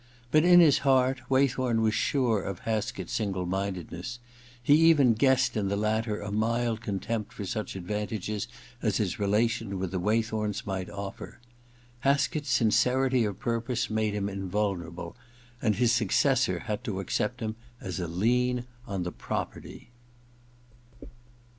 But in his heart Waythorn was sure of Haskett's single mindedness; he even guessed in the latter a mild contempt for such advantages as his relation with the Waythorns might offer. Haskett's sincerity of purpose made him in vulnerable, and his successor had to accept him as a lien on the property.